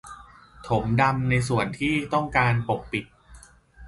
ถมดำในส่วนที่ต้องการปกปิด